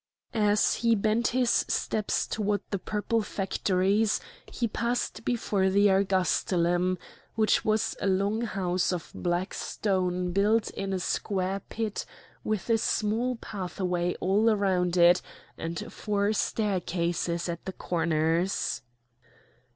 As he bent his steps towards the purple factories he passed before the ergastulum, which was a long house of black stone built in a square pit with a small pathway all round it and four staircases at the corners.